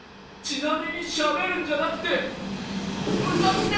ちなみにしゃべるんじゃなくてうたって！